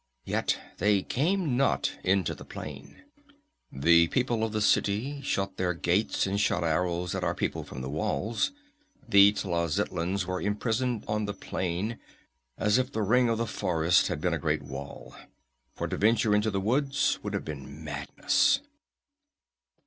Yet they came not into the plain. "The people of the city shut their gates and shot arrows at our people from the walls. The Tlazitlans were imprisoned on the plain, as if the ring of the forest had been a great wall; for to venture into the woods would have been madness.